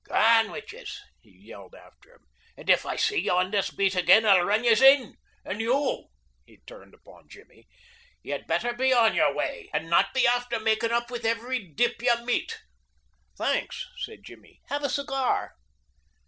"G'wan wid yez," he yelled after him, "and if I see ye on this beat again I'll run yez in. An' you" he turned upon Jimmy "ye'd betther be on your way and not be afther makin' up with ivery dip ye meet." "Thanks," said Jimmy. "Have a cigar."